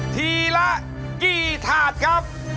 ทีละกี่ถาดครับ